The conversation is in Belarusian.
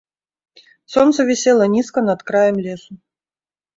Сонца вісела нізка над краем лесу.